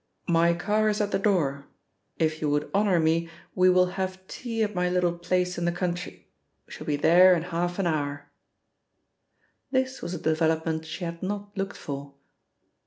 "My car is at the door, if you would honour me, we will have tea at my little place in the country. We shall be there in half an hour." This was a development she had not looked for.